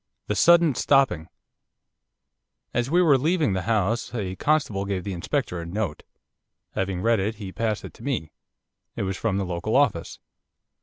THE SUDDEN STOPPING As we were leaving the house a constable gave the Inspector a note. Having read it he passed it to me. It was from the local office.